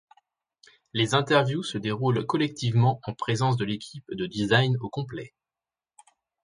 Les interviews se déroulent collectivement en présence de l’équipe de design au complet.